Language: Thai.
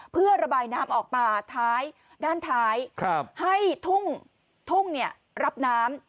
เพื่อระบายน้ำออกมาท้ายด้านท้ายครับให้ทุ่งทุ่งเนี่ยรับน้ำ